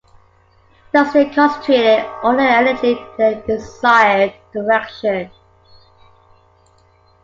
Thus they concentrated all their energy in the desired direction.